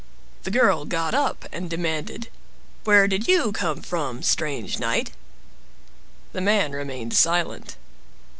The girl got up and demanded— "Where did you come from, strange knight?" The man remained silent.